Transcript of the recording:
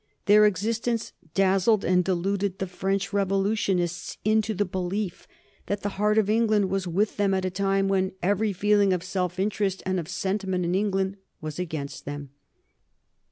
Their existence dazzled and deluded the French Revolutionists into the belief that the heart of England was with them at a time when every feeling of self interest and of sentiment in England was against them.